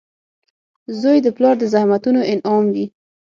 • زوی د پلار د زحمتونو انعام وي.